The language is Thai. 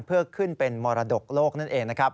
เพื่อขึ้นเป็นมรดกโลกนั่นเองนะครับ